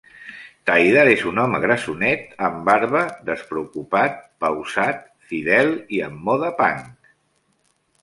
Taidar és un home grassonet, amb barba, despreocupat, pausat, fidel i amb moda punk.